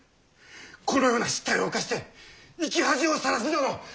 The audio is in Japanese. このような失態を犯して生き恥をさらすなど！